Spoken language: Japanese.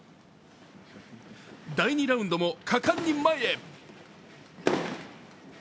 第２ラウンドも果敢に前へ。